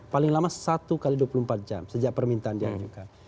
paling lama satu kali dua puluh empat jam sejak permintaan dia juga